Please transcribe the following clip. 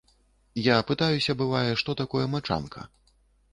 Я пытаюся, бывае, што такое мачанка?